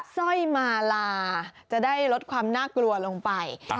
สร้อยมาลาจะได้ลดความน่ากลัวลงไป